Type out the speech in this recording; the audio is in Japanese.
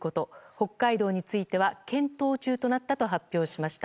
北海道については検討中となったと発表しました。